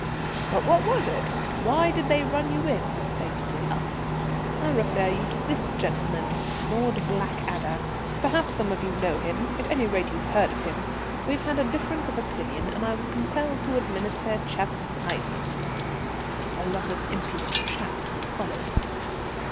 "But what was it? Why did they run you in?" they still asked. "I refer you to this gentleman, Lord Blackadder. Perhaps some of you know him. At any rate you've heard of him. We had a difference of opinion, and I was compelled to administer chastisement." A lot of impudent chaff followed.